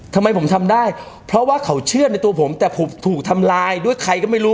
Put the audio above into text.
ทำไมผมทำได้เพราะว่าเขาเชื่อในตัวผมแต่ผมถูกทำลายด้วยใครก็ไม่รู้